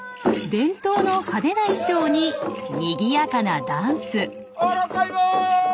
伝統の派手な衣装ににぎやかなダンス。